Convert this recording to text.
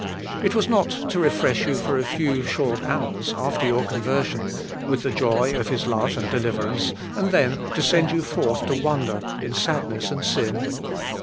It was not to refresh you for a few short hours after your conver sion with the joy of His love and deliverance, and then to send you forth to wander in sadness and sin.